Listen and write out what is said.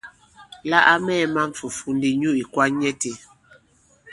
La a mɛɛ̄ man fùfu ndi nyu ì kwan nyɛ itē.